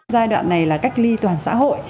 giai đoạn này là cách ly toàn xã hội